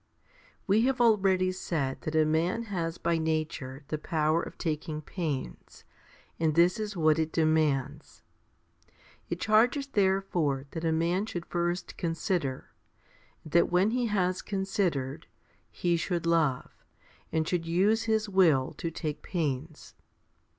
We have already said that a man has by nature the power of taking pains, and this is what it demands. It charges therefore that a man should first consider, and that when he has considered, he should love, and should use his will to take pains.